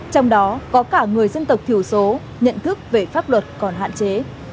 trong đó có cả người dân tộc thiểu số nhận thức về pháp luật còn hạn chế